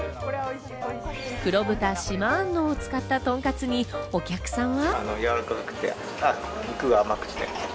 黒豚・島安納を使ったとんかつにお客さんは。